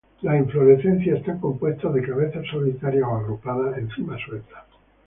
Las inflorescencias están compuestas de cabezas solitarias o agrupadas en cimas sueltas.